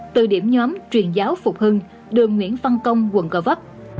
từ điểm nhóm truyền giáo phục hưng đường nguyễn phân công quận cờ vấp